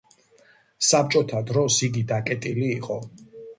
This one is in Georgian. საბჭოთა დროს იგი დაკეტილი იყო.